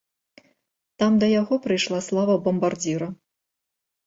Там да яго прыйшла слава бамбардзіра.